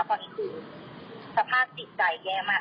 เพราะนี่คือสภาพติดใจแย่มาก